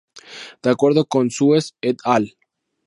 De acuerdo con Sues et al.